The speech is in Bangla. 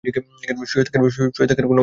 শুয়ে থাকার কোনো মানে হয় না।